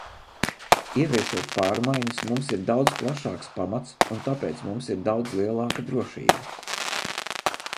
Ieviešot pārmaiņas, mums ir daudz plašāks pamats, un tāpēc mums ir daudz lielāka drošība.